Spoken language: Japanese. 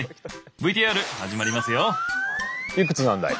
ＶＴＲ始まりますよ。